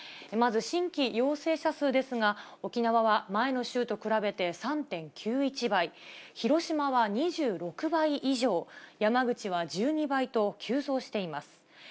まず、新規陽性者数ですが、沖縄は前の週と比べて３．９１倍、広島は２６倍以上、山口は１２倍と急増しています。